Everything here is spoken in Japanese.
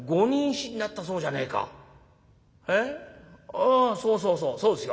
ああそうそうそうそうですよ。